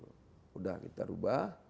sudah kita berubah